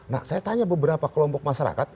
nah saya tanya beberapa kelompok masyarakat